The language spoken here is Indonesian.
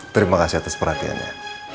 terima kasih atas perhatiannya